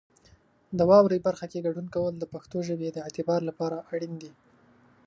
د واورئ برخه کې ګډون کول د پښتو ژبې د اعتبار لپاره اړین دي.